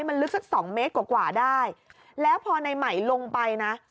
มันลึกสักสองเมตรกว่ากว่าได้แล้วพอในใหม่ลงไปนะ